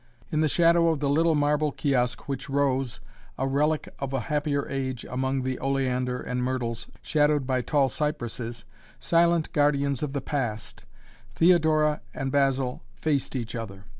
In the shadow of the little marble kiosk which rose, a relic of a happier age, among oleander and myrtles, shadowed by tall cypresses, silent guardians of the past, Theodora and Basil faced each other.